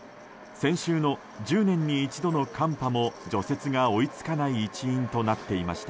先週の１０年に一度の寒波も除雪が追い付かない一因となっていました。